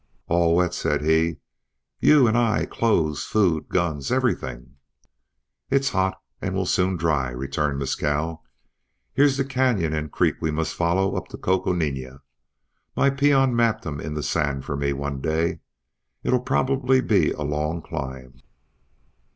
"All wet," said he, "you and I, clothes, food, guns everything." "It's hot and we'll soon dry," returned Mescal. "Here's the canyon and creek we must follow up to Coconina. My peon mapped them in the sand for me one day. It'll probably be a long climb."